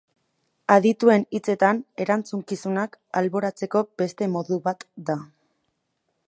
Adituen hitzetan erantzunkizunak alboratzeko beste modu bat da.